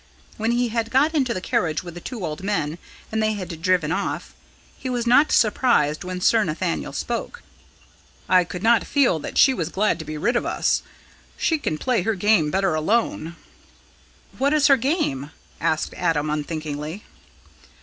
When he had got into the carriage with the two old men, and they had driven off, he was not surprised when Sir Nathaniel spoke. "I could not but feel that she was glad to be rid of us. She can play her game better alone!" "What is her game?" asked Adam unthinkingly.